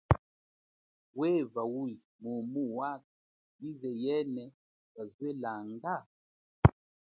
Weva uli mumu wakha, ize yene twazwelanga?